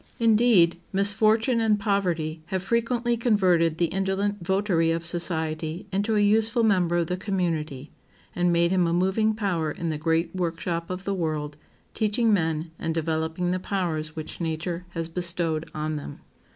Indeed, misfortune and poverty have frequently converted the indolent votary of society into a useful member of the community, and made him a moving power in the great workshop of the world, teaching men, and developing the powers which nature has bestowed on them.